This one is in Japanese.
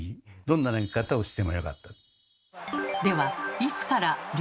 どんな投げ方をしてもよかった。